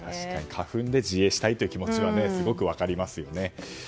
花粉で自衛したい気持ちはすごくよく分かりますよね。